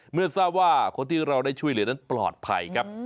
เมื่อทราบว่าคนที่เราได้ช่วยเหลือนั้นปลอดภัยครับ